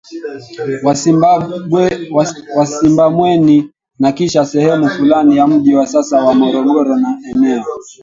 wa Simbamweni na kisha sehemu fulani ya mji wa sasa wa Morogoro na eneo